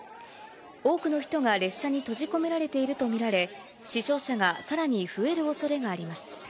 多くの人が列車に閉じ込められていると見られ、死傷者がさらに増えるおそれがあります。